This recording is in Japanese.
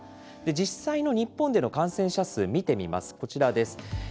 実際の日本での感染者数見てみます、こちらです。